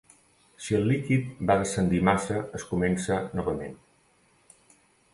Si el líquid va descendir massa, es comença novament.